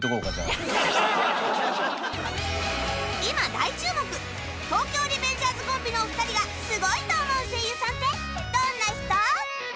今大注目『東京リベンジャーズ』コンビのお二人がすごいと思う声優さんってどんな人？